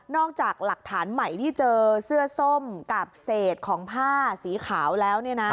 จากหลักฐานใหม่ที่เจอเสื้อส้มกับเศษของผ้าสีขาวแล้ว